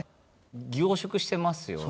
凝縮してますよね。